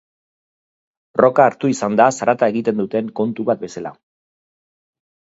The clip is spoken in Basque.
Rocka hartu izan da zarata egiten duten kontu bat bezala.